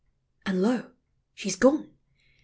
And, lo, she 's gone !